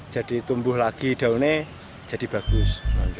jadi tumbuh lagi daunnya jadi bagus